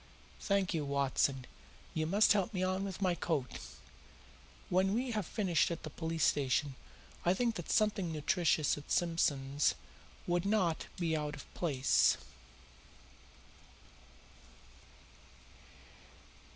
Thank you, Watson, you must help me on with my coat. When we have finished at the police station I think that something nutritious at Simpson's would not be out of place."